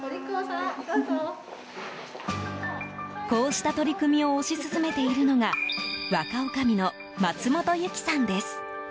こうした取り組みを推し進めているのが若女将の松本由起さんです。